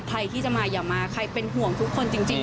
ใครที่จะมาอย่ามาใครเป็นห่วงทุกคนจริง